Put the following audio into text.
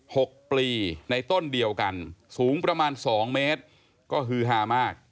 หกปลีในต้นเดียวกันสูงประมาณสองเมตรก็ฮือฮามาก